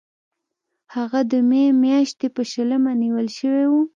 هغه د می میاشتې په شلمه نیول شوی و.